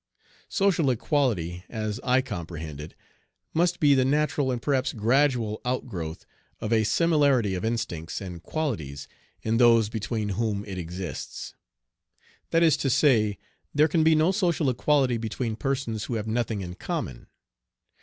Social equality, as I comprehend it, must be the natural, and perhaps gradual, outgrowth of a similarity of instincts and qualities in those between whom it exists. That is to say, there can be no social equality between persons who have nothing in common.